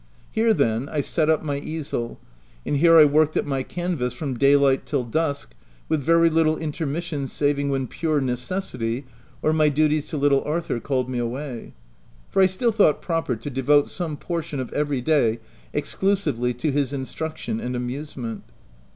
Here, then, I set up my easel, and here I worked at my can vass from daylight till dusk, with very little intermission saving when pure necessity, or my duties to little Arthur called me away — for I still thought proper to devote some portion of every day exclusively to his instruction and amusement.